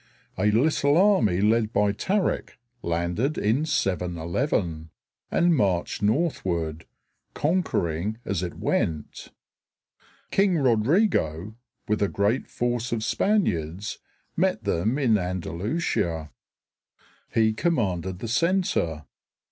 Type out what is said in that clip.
A little army led by Tarik landed in 711 and marched northward, conquering as it went. King Rodrigo, with a great force of Spaniards, met them in Andalusia. He commanded the center.